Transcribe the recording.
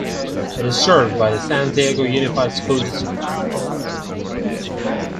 It is served by the San Diego Unified School District.